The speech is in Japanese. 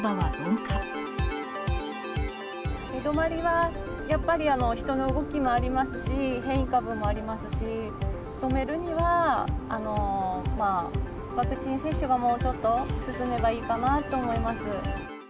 下げ止まりはやっぱり人の動きもありますし、変異株もありますし、止めるには、ワクチン接種がもうちょっと進めばいいかなと思います。